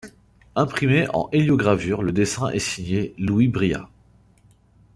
Imprimé en héliogravure, le dessin est signé Louis Briat.